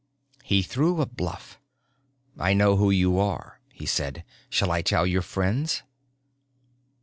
_ He threw a bluff. "I know who you are," he said. "Shall I tell your friends?"